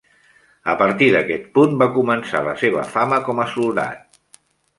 A partir d'aquest punt va començar la seva fama com a soldat.